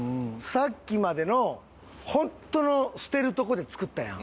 さっきまでの本当の捨てるとこで作ったやん。